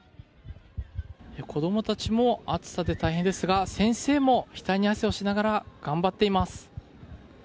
子供たちも暑さで大変ですが先生も額に汗をしながら頑張っています！